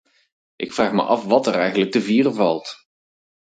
Ik vraag me af wat er eigenlijk te vieren valt.